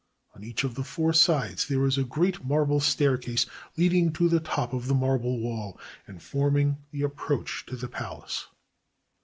On each of the four sides there is a great marble staircase leading to the top of the marble wall and forming the approach to the palace.